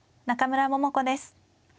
中村桃子です。